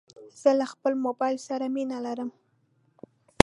زه له خپل موبایل سره مینه لرم.